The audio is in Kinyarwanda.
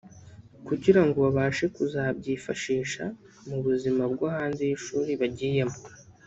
kugira ngo babashe kuzabyifashisha mu bzima bwo hanze y’ishuri bagiyemo